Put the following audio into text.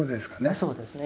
そうですね。